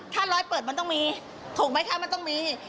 ถ้าร้อยเปิดมันต้องมีถูกไหมคะมันต้องมี